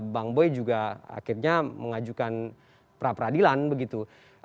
bang boy juga akhirnya mengajukan pra peradilan begitu